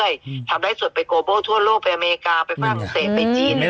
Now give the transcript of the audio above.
อืมทำไลท์ส่วนไปโกโบทั่วโลกไปอเมริกาไปฝั่งเศรษฐ์ไปจีนอืมนี่แหละตอนนี้อืม